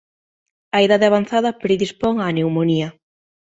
A idade avanzada predispón á pneumonía.